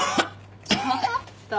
ちょっと。